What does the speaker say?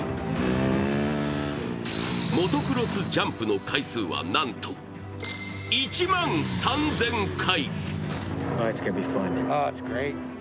モトクロスジャンプの回数はなんと１万３０００回。